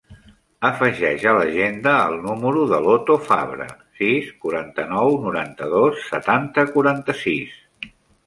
Afegeix a l'agenda el número de l'Oto Fabra: sis, quaranta-nou, noranta-dos, setanta, quaranta-sis.